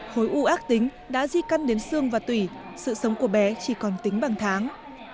khối u ác tính đã di căn đến xương và tùy sự sống của bé chỉ còn tính bằng tháng